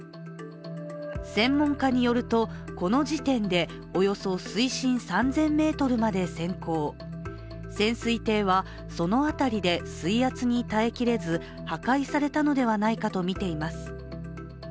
専門家によるとこの時点でおよそ水深３０００ｍまで潜行潜水艇はその辺りで水圧に耐えきれず、破壊されたのではないかとみています。